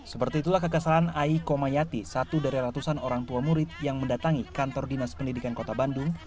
seperti itulah kekasaan ai komayati satu dari ratusan orang tua murid yang mendatangi kantor dinas pendidikan kota bandung